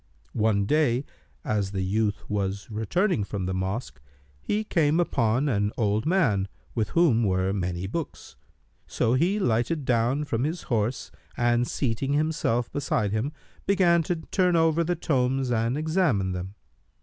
One day, as the youth was returning from the mosque, he came upon an old man, with whom were many books; so he lighted down from his horse and seating himself beside him, began to turn over the tomes and examine them.